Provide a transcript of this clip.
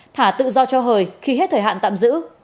thả tự do cho hời khi hết thời hạn tạm giữ